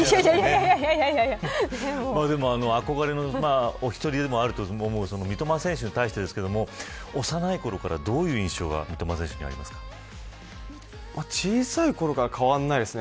でも憧れのお一人でもあると思うんですけど三笘選手に対しですけど幼いころから、どういう印象が小さいころから変わらないですね。